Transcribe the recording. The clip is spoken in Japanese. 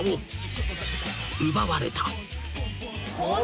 ［奪われた］